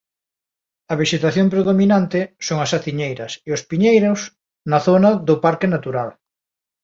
A vexetación predominante son as aciñeiras e os piñeiros na zona do parque natural.